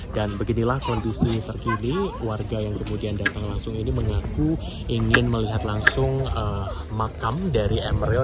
dan beginilah kondisi terkini warga yang kemudian datang langsung ini mengaku ingin melihat langsung makam dari emeril